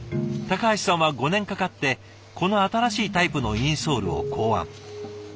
橋さんは５年かかってこの新しいタイプのインソールを考案。